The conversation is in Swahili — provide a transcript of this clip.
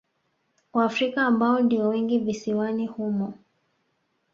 Waafrika ambao ndio wengi visiwani humo